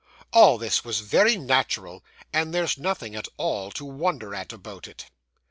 All this was very natural, and there's nothing at all to wonder at about it.